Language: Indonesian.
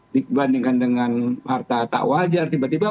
dibandingkan dengan harta tak wajar tiba tiba